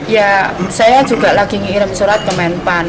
ya saya juga lagi mengirim surat ke kementerian pan